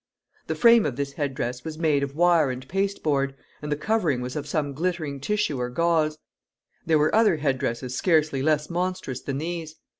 The frame of this head dress was made of wire and pasteboard, and the covering was of some glittering tissue or gauze. There were other head dresses scarcely less monstrous than these.